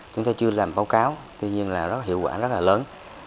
chúng tôi chưa làm báo cáo tuy nhiên là hiệu quả rất là lớn